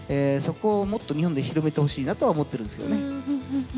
そこをもっと日本で広めてほしいなとは思ってるんですけどね。